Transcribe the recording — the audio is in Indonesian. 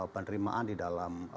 penerimaan di dalam